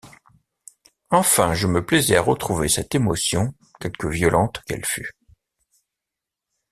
Enfin je me plaisais à retrouver cette émotion quelque violente qu’elle fût.